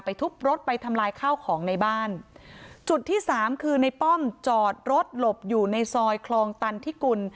ทุบรถไปทำลายข้าวของในบ้านจุดที่สามคือในป้อมจอดรถหลบอยู่ในซอยคลองตันทิกุล